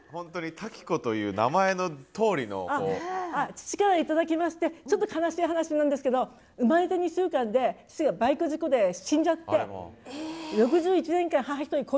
父から頂きましてちょっと悲しい話なんですけど生まれて２週間で父がバイク事故で死んじゃって６１年間母一人子